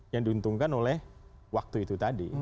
yang diuntungkan oleh waktu itu tadi